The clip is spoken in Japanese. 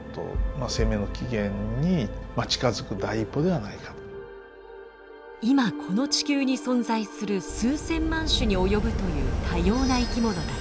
あるいは所としてはですね今この地球に存在する数千万種に及ぶという多様な生き物たち。